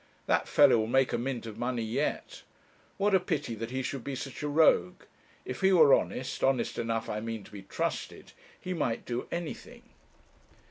That fellow will make a mint of money yet. What a pity that he should be such a rogue! If he were honest, honest enough I mean to be trusted, he might do anything.